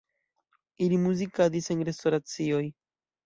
Ili muzikadis en restoracioj.